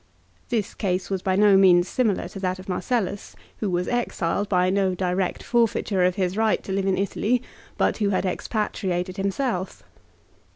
This case was by no means similar to that of Marcellus, who was exiled by no direct forfeiture of his right to live in Italy, but who had expatriated himself.